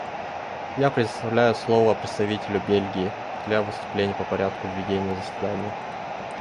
Я предоставляю слово представителю Бельгии для выступления по порядку ведения заседания.